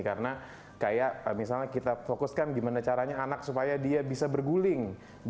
karena kayak misalnya kita fokuskan gimana caranya anak supaya dia bisa berguling